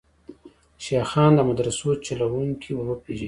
شیخان د مدرسو چلوونکي وروپېژني.